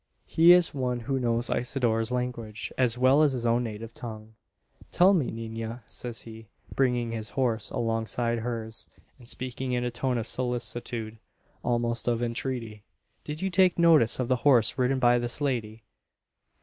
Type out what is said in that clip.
He is one who knows Isidora's language, as well as his own native tongue. "Tell me, nina," says he, bringing his horse alongside hers, and speaking in a tone of solicitude almost of entreaty "Did you take notice of the horse ridden by this lady?"